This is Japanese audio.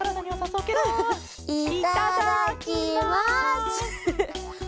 いただきます。